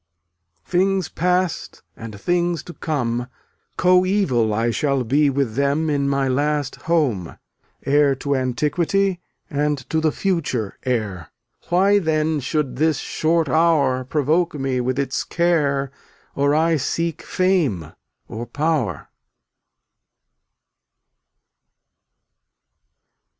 320 Things past and things to come — Coeval I shall be With them in my last home, Heir to antiquity, And to the future heir. Why, then, should this short hour Provoke me with its care Or I seek fame or power?